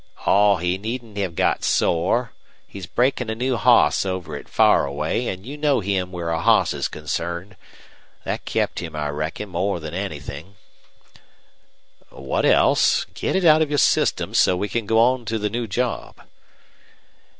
"Aw, he needn't have got sore. He's breakin' a new hoss over at Faraway, an you know him where a hoss 's concerned. That kept him, I reckon, more than anythin'." "What else? Get it out of your system so we can go on to the new job."